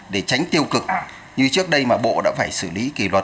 để tránh tiêu cực như trước đây mà bộ đã phải xử lý kỷ luật